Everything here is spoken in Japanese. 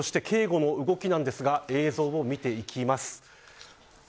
さて、警護の動きなんですが映像を見ていきます。